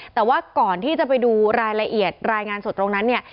แต่ว่าก่อนที่จะไปดูรายละเอียดรายงานสดตรงนั้นเนี่ย